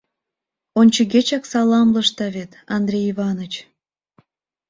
Ончыгечак саламлышда вет, Андрей Иваныч.